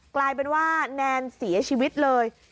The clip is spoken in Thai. กลายเป็นว่าแนนเสียชีวิตเลย